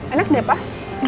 enak deh pak